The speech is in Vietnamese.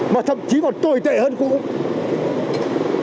mà thậm chí còn tồi tệ hơn cũng không